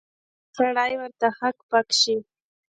سړی ورته هک پک شي.